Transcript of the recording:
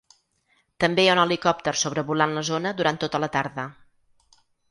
També hi ha un helicòpter sobrevolant la zona durant tota la tarda.